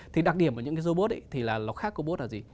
thì đặc điểm của những cái robot thì nó khác cô bốt là gì